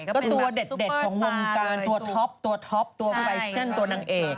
ก็ตัวเด็ดของมงการตัวท็อปตัวตัวไฟชั่นตัวนางเอก